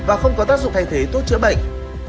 và không có tác dụng thay thế thuốc chữa bệnh